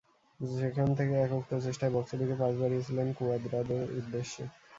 সেখান থেকে একক প্রচেষ্টায় বক্সে ঢুকে পাস বাড়িয়েছিলেন কুয়াদ্রাদোর উদ্দেশে।